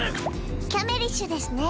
キャメリッシュですね。